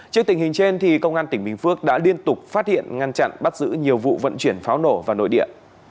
trước tình hình trên công an tỉnh bình phước đã liên tục phát hiện ngăn chặn bắt giữ nhiều vụ vận chuyển pháo nổ vào nội địa